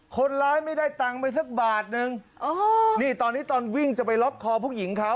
คนร้ายไม่ได้ตังค์ไปสักบาทนึงนี่ตอนนี้ตอนวิ่งจะไปล็อกคอผู้หญิงเขา